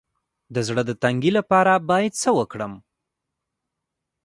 د زړه د تنګي لپاره باید څه وکړم؟